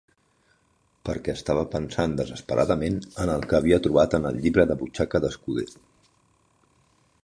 Perquè estava pensant desesperadament en el que havia trobat en el llibre de butxaca de Scudder.